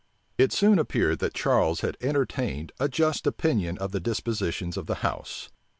It soon appeared that Charles had entertained a just opinion of the dispositions of the house.